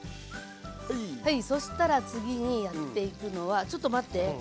そしたら次にやっていくのはちょっと待って。